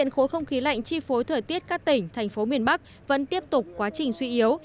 khối không khí lạnh chi phối thời tiết các tỉnh thành phố miền bắc vẫn tiếp tục quá trình suy yếu